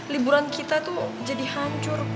liburan kita tuh jadi hancur